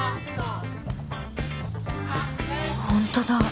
本当だ。